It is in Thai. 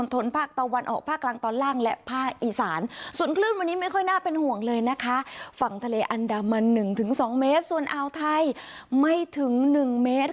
ทะเลอันดามมัน๑๒เมตรส่วนอาวไทยไม่ถึง๑เมตร